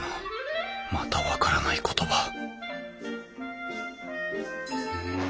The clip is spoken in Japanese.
また分からない言葉うん。